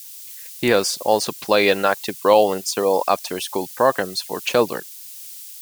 He has also played an active role in several after-school programmes for children.